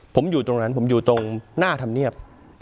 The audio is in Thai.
ผมอยู่ตรงนั้นผมอยู่ตรงหน้าธรรมเนียบ